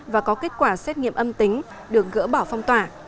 và có kết quả xét nghiệm âm tính được gỡ bỏ phong tỏa